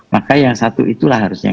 maka yang satu itulah harusnya